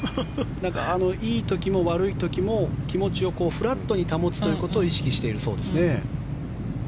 いい時も悪い時も気持ちをフラットに保つということを意識しているそうです。